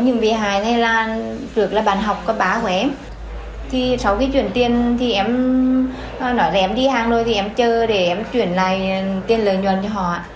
những bị hại này là bàn học có bá của em sau khi chuyển tiền thì em nói em đi hàng nơi thì em chờ để em chuyển lại tiền lợi nhuận cho họ